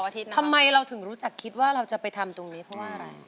ทำไมเราถึงรู้จักคิดว่าเราจะไปทำตรงนี้เพราะว่าอะไร